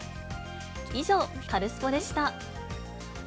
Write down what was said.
以上、カルスポっ！でした。